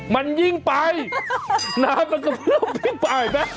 มันยิ่งไปน้ำมันกำลังพลิกไปนะ